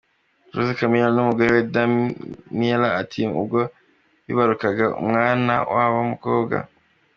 Jose Chameleone n'umugore we Daniella Atim ubwo bibarukaga umwana wabo w'umukobwa.